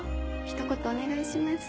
一言お願いします。